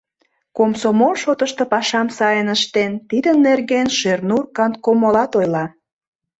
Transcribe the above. Комсомол шотышто пашам сайын ыштен, тидын нерген Шернур канткомолат ойла.